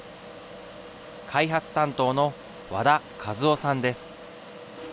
開発担当の和田一雄さんです。